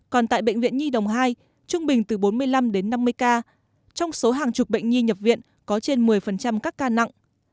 còn tại bệnh viện nhi đồng hai trung bình từ bốn mươi năm đến năm mươi ca trong số hàng chục bệnh nhi nhập viện có trên một mươi các ca nặng